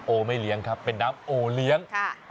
ไม่เลี้ยงครับเป็นน้ำโอเลี้ยง